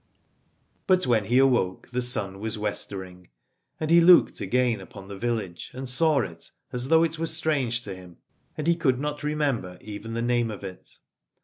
But when he awoke the sun was westering, and he looked again upon the village and saw it as though it were strange to him, and he could not remember even the name Alad ore of it.